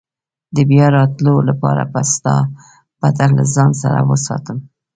د بیا راتلو لپاره به ستا پته له ځان سره وساتم.